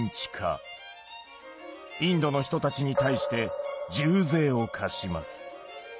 インドの人たちに対して重税を課します。